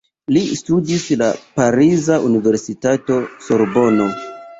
Li studis en la pariza universitato Sorbono.